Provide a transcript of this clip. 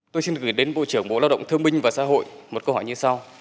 tôi xin gửi đến bộ trưởng bộ lao động thương minh và xã hội một câu hỏi như sau